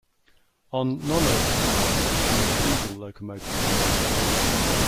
On non-electrified sections diesel locomotives are used.